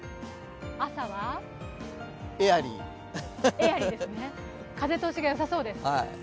朝はエアリーですね、風通しがよさそうです。